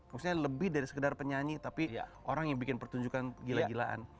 maksudnya lebih dari sekedar penyanyi tapi orang yang bikin pertunjukan gila gilaan